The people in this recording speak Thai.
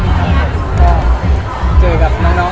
เจอกับน้องหลายคนดีนะครับเจอกับน้องต่อ